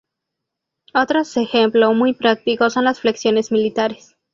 Otros ejemplo muy práctico son las flexiones militares.